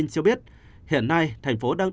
cho biết hiện nay thành phố đang